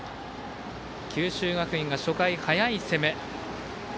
九州学院が初回、速い攻め。